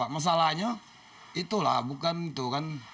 masalahnya itulah bukan itu kan